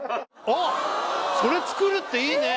あっそれ作るっていいね